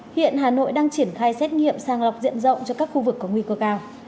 hiện hà nội đang triển khai xét nghiệm sang lọc diện rộng cho các khu vực có nguy cơ cao